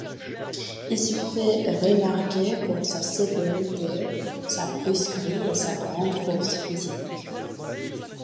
Il se fait remarquer pour sa sévérité, sa brusquerie et sa grande force physique.